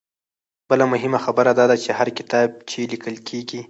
بله مهمه خبره دا ده چې هر کتاب چې ليکل کيږي